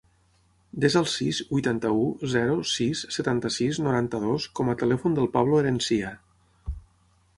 Desa el sis, vuitanta-u, zero, sis, setanta-sis, noranta-dos com a telèfon del Pablo Herencia.